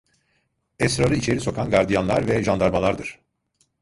Esrarı içeri sokan gardiyanlar ve jandarmalardır.